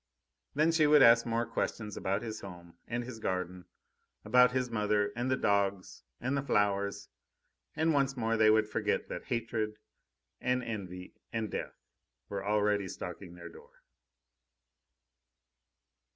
Then she would ask more questions about his home and his garden, about his mother and the dogs and the flowers; and once more they would forget that hatred and envy and death were already stalking their door.